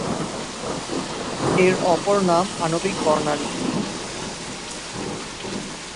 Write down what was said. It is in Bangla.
এর অপর নাম আণবিক বর্ণালি।